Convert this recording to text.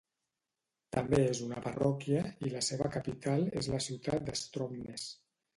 També és una parròquia, i la seva capital és la ciutat de Stromness.